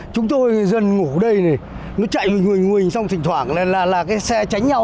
chúng tôi dần ngủ ở đây này nó chạy nguồn nguồn xong thỉnh thoảng là xe tránh nhau